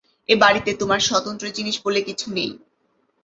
এ বাড়িতে তোমার স্বতন্ত্র জিনিস বলে কিছু নেই।